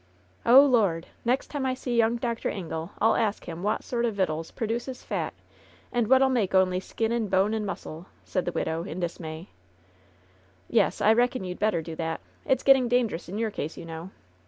"Oh, Lord ! Next time I see young Dr. Ingle I'll ask him wot sort o' vittels produces fat and wot'U make only skin and bone and muscle," said the widow, in dismay. "Yes, I reckon you'd better do that ! It's getting dan gerous in your case, you know!